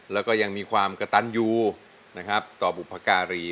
แล้วก็ยังมีความกระตันอยู่นะครับต่อบุพการี